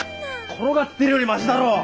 転がってるよりましだろ。